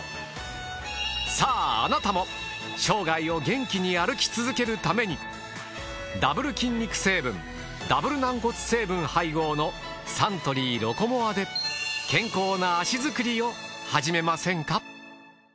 さああなたも生涯を元気に歩き続けるためにダブル筋肉成分ダブル軟骨成分配合のサントリーロコモアで健康な脚づくりを始めませんか。